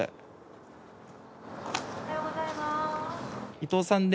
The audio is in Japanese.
伊藤さんで？